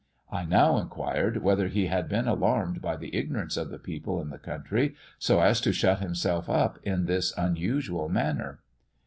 '""I now inquired whether he had been alarmed by the ignorance of the people in the country, so as to shut himself up in this unusual manner?"